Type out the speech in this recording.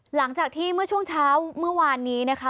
หลังจากที่เมื่อช่วงเช้าเมื่อวานนี้นะคะ